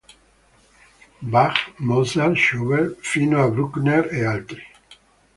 Bach, Mozart, Schubert, fino a Bruckner e altri.